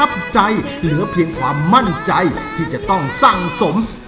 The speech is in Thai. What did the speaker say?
ไปประจำที่ครับ